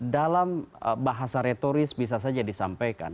dalam bahasa retoris bisa saja disampaikan